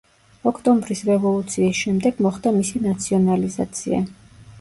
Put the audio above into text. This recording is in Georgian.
ოქტომბრის რევოლუციის შემდეგ მოხდა მისი ნაციონალიზაცია.